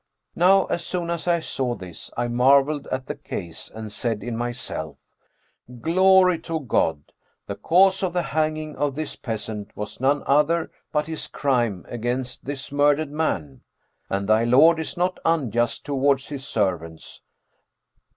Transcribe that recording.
Now as soon as I saw this, I marvelled at the case and said in myself, 'Glory to God! The cause of the hanging of this peasant was none other but his crime against this murdered man; and thy Lord is not unjust towards His servants.'"